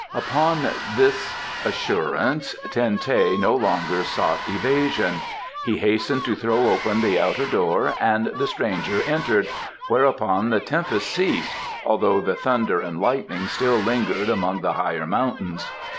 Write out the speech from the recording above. Upon this assurance Ten teh no longer sought evasion. He hastened to throw open the outer door and the stranger entered, whereupon the tempest ceased, although the thunder and lightning still lingered among the higher mountains.